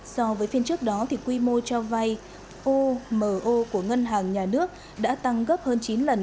so với phiên trước đó thì quy mô cho vay omo của ngân hàng nhà nước đã tăng gấp hơn chín lần